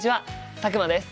佐久間です。